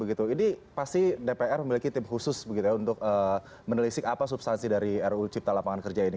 ini pasti dpr memiliki tim khusus untuk menelisik apa substansi dari ruu cipta lapangan kerja ini